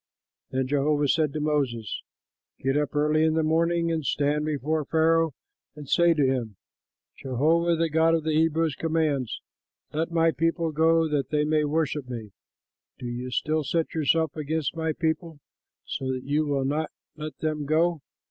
Then Jehovah said to Moses, "Get up early in the morning and stand before Pharaoh, and say to him,'Jehovah, the God of the Hebrews, commands: Let my people go, that they may worship me. Do you still set yourself against my people, so that you will not let them go?